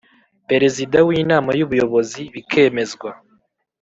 Perezida w Inama y Ubuyobozi bikemezwa